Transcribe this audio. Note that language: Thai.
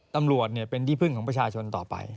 ตำรวจเป็นที่พึ่งของประชาชนต่อไป